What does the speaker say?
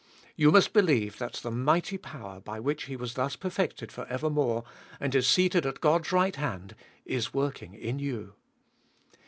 You must believe that the mighty power by which He was thus perfected for evermore, and is seated at God's right hand, is working in you.